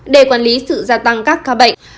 để quản lý sự gia tăng các ca bệnh